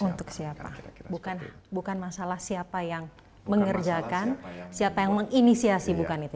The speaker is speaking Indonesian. untuk siapa bukan bukan masalah siapa yang mengerjakan siapa yang menginisiasi bukan itu